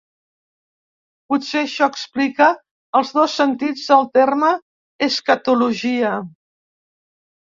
Potser això explica els dos sentits del terme escatologia.